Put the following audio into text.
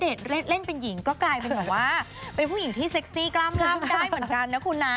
เล่นเป็นหญิงก็กลายเป็นแบบว่าเป็นผู้หญิงที่เซ็กซี่กล้ามล่ำได้เหมือนกันนะคุณนะ